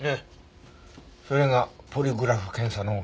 それがポリグラフ検査の結果です。